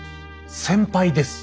先輩です。